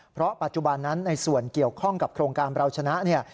เพราะปัจจุบันนั้นในส่วนเกี่ยวข้องกับโครงการเราชนะเนี่ย